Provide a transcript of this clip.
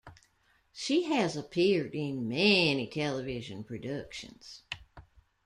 She has appeared in many television productions.